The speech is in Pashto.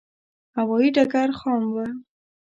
هوایې ډګر خام و.